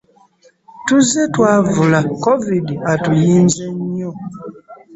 Tuzze twavula, Covid atuyinze nnyo